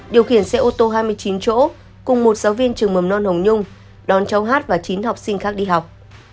điều khiển xe ô tô hai mươi chín chỗ cùng một giáo viên trường mầm non hồng nhung đón cháu hát và chín học sinh khác đi học